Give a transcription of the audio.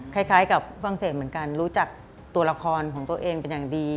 คล้ายกับฝรั่งเศสเหมือนกันรู้จักตัวละครของตัวเองเป็นอย่างดี